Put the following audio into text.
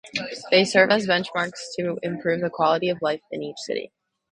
They serve as benchmarks to improve the quality of life in each city.